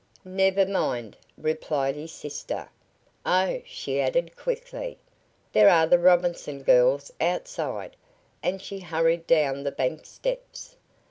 "Never mind," replied his sister. "Oh," she added quickly, "there are the Robinson girls outside," and she hurried down the bank steps.